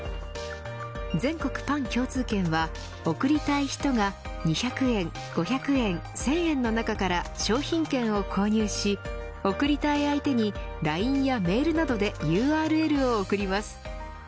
全国パン共通券は贈りたい人が２００円、５００円１０００円の中から商品券を購入し贈りたい相手にＬＩＮＥやメールなどでＵＲＬを送ります。